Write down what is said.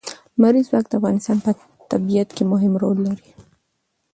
لمریز ځواک د افغانستان په طبیعت کې مهم رول لري.